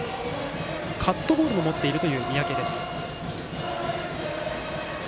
カットボールも持っている三宅。